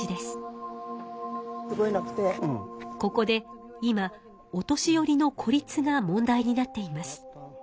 ここで今お年寄りの孤立が問題になっています。